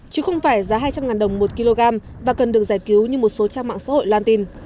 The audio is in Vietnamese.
chứ không phải giá hai trăm linh đồng một kg và cần được giải cứu như một số trang mạng xã hội loan tin